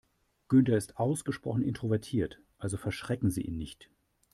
Günther ist ausgesprochen introvertiert, also verschrecken Sie ihn nicht.